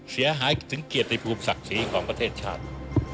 เสียหายถึงเกียรติภูมิศักดิ์ศรีของประเทศชาติ